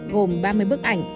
gồm ba mươi bức ảnh